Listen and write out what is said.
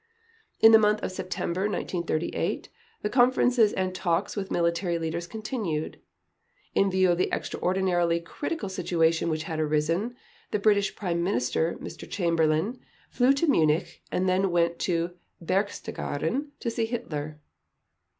In the month of September 1938 the conferences and talks with military leaders continued. In view of the extraordinarily critical situation which had arisen, the British Prime Minister, Mr. Chamberlain, flew to Munich and then went to Berchtesgaden to see Hitler.